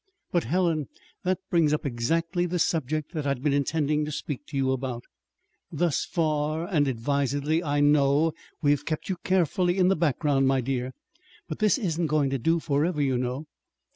But Helen, that brings up exactly the subject that I'd been intending to speak to you about. Thus far and advisedly, I know we have kept you carefully in the background, my dear. But this isn't going to do forever, you know."